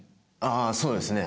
ああそうですね。